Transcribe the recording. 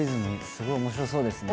すごい面白そうですね。